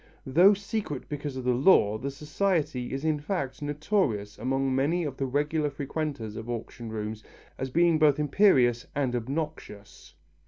Though secret because of the law, the society is in fact notorious among many of the regular frequenters of auction rooms as being both imperious and obnoxious.